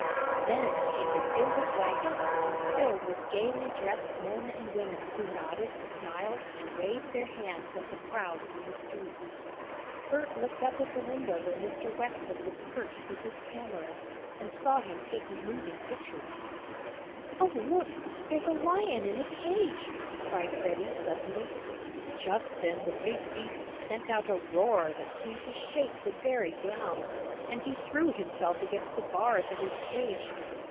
Then came the gilded wagons, filled with gaily dressed men and women who nodded, smiled and waved their hands at the crowds in the streets. Bert looked up at the window where Mr. Weston was perched with his camera, and saw him taking moving pictures. "Oh, look! There's a lion in a cage!" cried Freddie, suddenly. Just then the big beast sent out a roar that seemed to shake the very ground, and he threw himself against the bars of his cage.